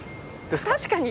確かに。